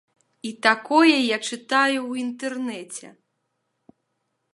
І такое я чытаю ў інтэрнэце!